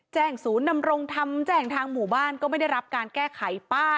ศูนย์นำรงธรรมแจ้งทางหมู่บ้านก็ไม่ได้รับการแก้ไขป้า